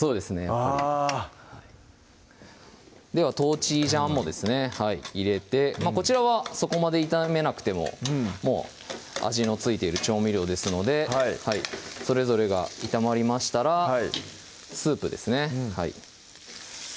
やっぱりあでは豆醤もですね入れてこちらはそこまで炒めなくてももう味の付いてる調味料ですのでそれぞれが炒まりましたらスープですね